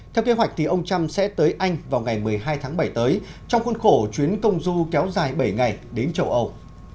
theo kế hoạch thì ông trump sẽ tới anh vào ngày một mươi hai tháng bảy tới trong khuôn khổ chuyến công du kéo dài bảy ngày đến châu âu